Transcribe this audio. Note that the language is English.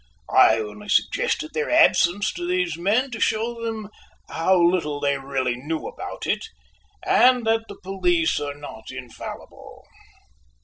I only suggested their absence to these men, to show them how little they really knew about it, and that the police are not infallible."